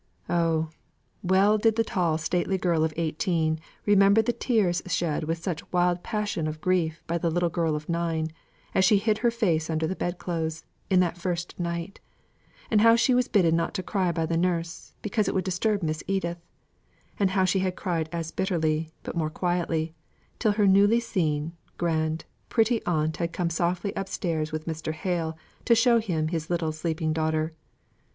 Oh! well did the tall stately girl of eighteen remember the tears shed with such wild passion of grief by the little girl of nine, as she hid her face under the bed clothes in that first night; and how she was bidden not to cry by the nurse, because it would disturb Miss Edith; and how she had cried as bitterly, but more quietly, till her newly seen, grand, pretty aunt had come softly upstairs with Mr. Hale to show him his little sleeping daughter.